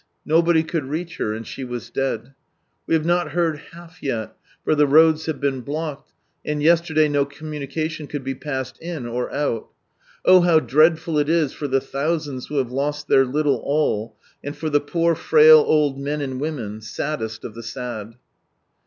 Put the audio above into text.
Nobody could reach her, and she was dead. We have not heard half yet, for the roads have been blocked, and yesterday no communication could be passed in or out. Oh, how dreadful it is for the thousands who have lost their little all, and for the ])Oor frail old men and women — saddest of the sad